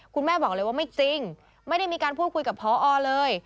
คุณแม่บอกเลยว่าไม่จริงไม่ได้มีการพูดคุยกับพอเลย